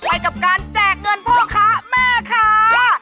ไปกับการแจกเงินพ่อค้าแม่ค้า